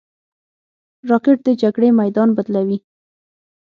راکټ د جګړې میدان بدلوي